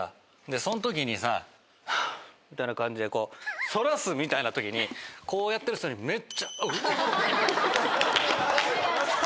そのときにさハァみたいな感じでそらすみたいなときにこうやってる人にめっちゃ。